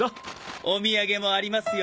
お土産もありますよ。